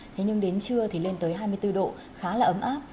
thế nhưng đến trưa thì lên tới hai mươi bốn độ khá là ấm áp